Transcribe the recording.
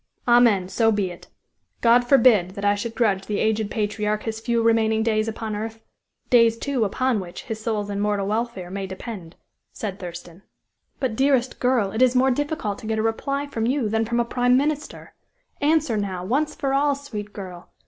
"Amen; so be it; God forbid that I should grudge the aged patriarch his few remaining days upon earth days, too, upon which his soul's immortal welfare may depend," said Thurston. "But, dearest girl, it is more difficult to get a reply from you than from a prime minister. Answer, now, once for all, sweet girl!